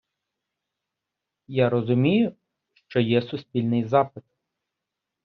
Я розумію, що є суспільний запит.